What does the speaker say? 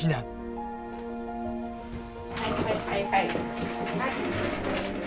はいはいはいはい。